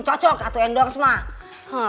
cocok atau endorse mah